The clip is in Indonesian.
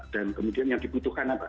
dan kemudian yang dibutuhkan apa